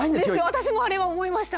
私もあれは思いました！